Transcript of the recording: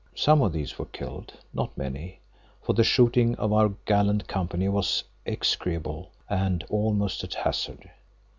Some of these were killed, not many, for the shooting of our gallant company was execrable and almost at hazard.